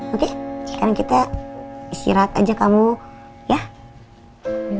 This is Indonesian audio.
oke sekarang kita istirahat aja kamu ya